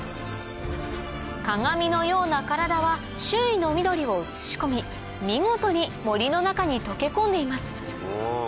鏡のような体は周囲の緑を移し込み見事に森の中に溶け込んでいます